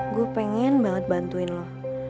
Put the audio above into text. gue pengen banget bantuin lo